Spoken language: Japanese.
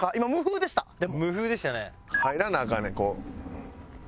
入らなアカンねんこう。